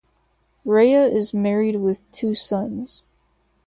Rhea is married with two sons.